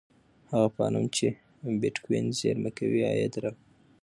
هغه فارم چې بېټکوین زېرمه کوي عاید راوړي.